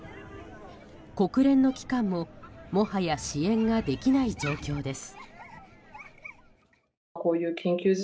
国連の機関ももはや支援ができない状況です。